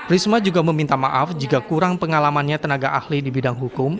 risma juga meminta maaf jika kurang pengalamannya tenaga ahli di bidang hukum